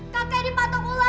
kakek dipatung ular pengawal